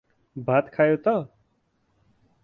भात खायौ त?